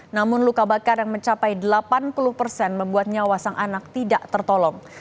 namun luka bakar yang mencapai delapan puluh persen membuat nyawa sang anak tidak tertolong